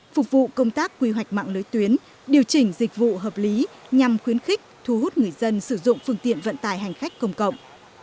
phục vụ công tác quy hoạch mạng lưới tuyến điều chỉnh dịch vụ hợp lý nhằm khuyến khích thu hút người dân sử dụng phương tiện vận tải hành khách công cộng